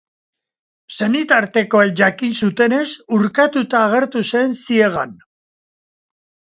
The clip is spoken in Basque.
Senitartekoek jakin zutenez, urkatuta agertu zen ziegan.